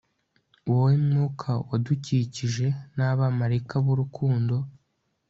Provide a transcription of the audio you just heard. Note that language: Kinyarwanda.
Wowe mwuka wadukikije nabamarayika burukundo